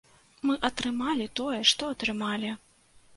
Мы атрымалі тое, што атрымалі.